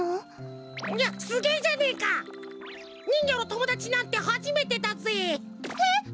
すげえじゃねえか！にんぎょのともだちなんてはじめてだぜ！えっ！？